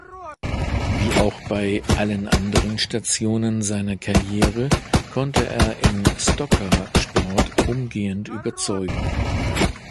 Wie auch bei allen anderen Stationen seiner Karriere, konnte er im Stockcar-Sport umgehend überzeugen.